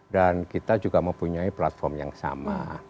dan kita juga mempunyai platform yang sama